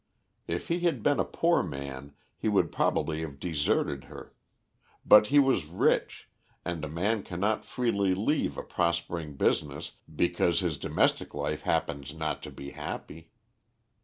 If he had been a poor man he would probably have deserted her, but he was rich, and a man cannot freely leave a prospering business because his domestic life happens not to be happy.